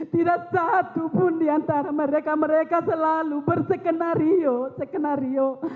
tidak satu pun diantara mereka mereka selalu bersekenario sekenario